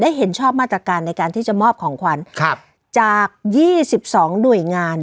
ได้เห็นชอบมาตรการในการที่จะมอบของขวัญครับจากยี่สิบสองหน่วยงาน